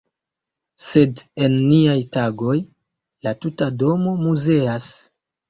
Sed en niaj tagoj la tuta domo muzeas.